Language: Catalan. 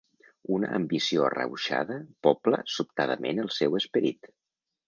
Una ambició arrauxada pobla sobtadament el seu esperit.